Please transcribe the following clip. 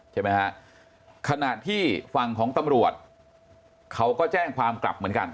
ใช่ไหมฮะขณะที่ฝั่งของตำรวจเขาก็แจ้งความกลับเหมือนกัน